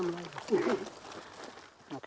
itu udah berapa